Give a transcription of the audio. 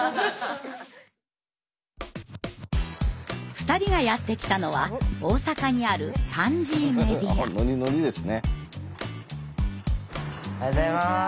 ２人がやって来たのは大阪にあるお願いします。